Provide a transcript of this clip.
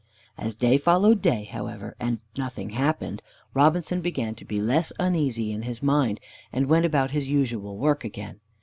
As day followed day, however, and nothing happened, Robinson began to be less uneasy in his mind, and went about his usual work again.